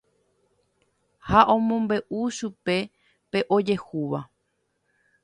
Ha omombe'u chupe pe ojehúva.